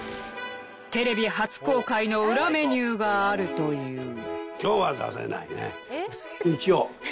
テレビ初公開のウラメニューがあるという。